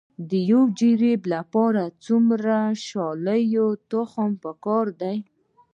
د یو جریب لپاره څومره د شالیو تخم پکار دی؟